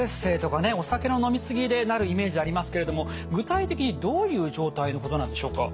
お酒の飲みすぎでなるイメージありますけれども具体的にどういう状態のことなんでしょうか？